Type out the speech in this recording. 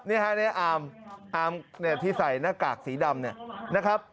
นี่ฮะเนี่ยอามอามที่ใส่หน้ากากสีดำเนี่ยนะครับ